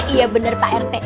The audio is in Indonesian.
iya bener pak rt